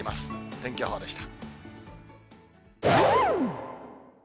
天気予報でした。